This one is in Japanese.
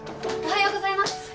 おはようございます。